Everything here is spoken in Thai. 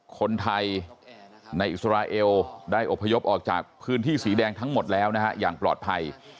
คนไทยในอิสราเอลได้อบพยพออกจากพื้นที่สีแดงทั้งหมดแล้วนะฮะอย่างปลอดภัย